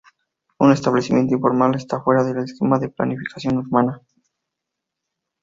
Un establecimiento informal está fuera del esquema de planificación urbana.